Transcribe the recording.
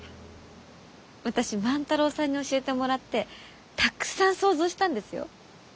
私万太郎さんに教えてもらってたくさん想像したんですよ。